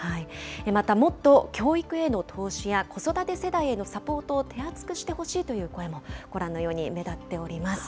また、もっと教育への投資や、子育て世代へのサポートを手厚くしてほしいという声もご覧のように目立っております。